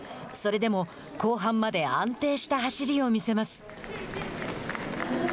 それでも後半まで安定した走りを見せます。